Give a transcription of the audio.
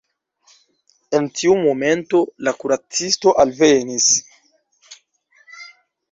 En tiu momento la kuracisto alvenis.